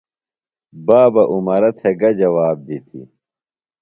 بابہ عمرہ تھےۡ گہ جواب دِتیۡ؟